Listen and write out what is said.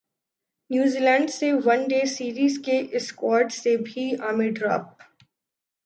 New Zealand سے one day series کے squad سے بھی عامر ڈراپ